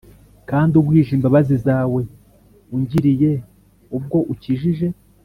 kandi ugwije imbabazi zawe ungiriye ubwo ukijije